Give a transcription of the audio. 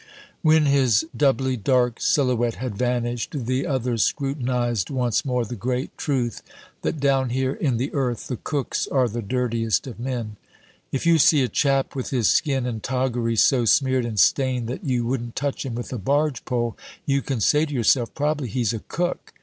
When his doubly dark silhouette had vanished, the others scrutinized once more the great truth that down here in the earth the cooks are the dirtiest of men. "If you see a chap with his skin and toggery so smeared and stained that you wouldn't touch him with a barge pole, you can say to yourself, 'Probably he's a cook.'